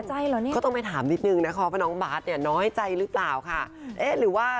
อ้าวน้องไม่เสียใจหรือเนี่ย